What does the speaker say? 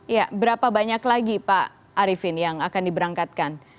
ya berapa banyak lagi pak arifin yang akan diberangkatkan